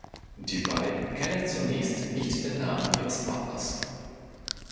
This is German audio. Die beiden kennen zunächst nicht den Namen ihres Partners.